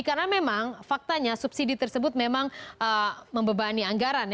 karena memang faktanya subsidi tersebut memang membebani anggaran